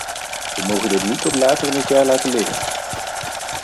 We mogen dit niet tot later in het jaar laten liggen.